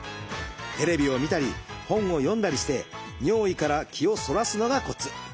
テレビを見たり本を読んだりして尿意から気をそらすのがコツ。